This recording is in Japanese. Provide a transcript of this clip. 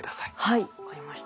はい分かりました。